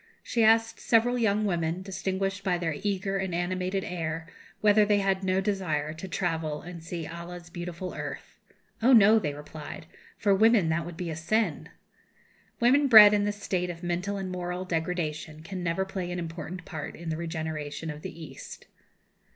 She asked several young women, distinguished by their eager and animated air, whether they had no desire to travel and see Allah's beautiful earth. "Oh no," they replied, "for women that would be a sin!" Women bred in this state of mental and moral degradation can never play an important part in the regeneration of the East.